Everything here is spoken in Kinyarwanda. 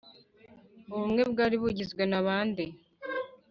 Ubumwe bwari bugizwe na bande?